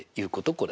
これ。